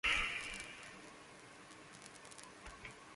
Martin Doherty era miembro en vivo de The Twilight Sad.